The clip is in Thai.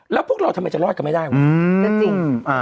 แล้วพวกเราทำไมจะรอดกันไม่ได้วะจริง